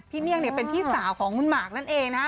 เมี่ยงเนี่ยเป็นพี่สาวของคุณหมากนั่นเองนะฮะ